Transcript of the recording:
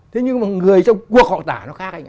thế nhưng mà người trong cuộc họ tả nó khác anh ạ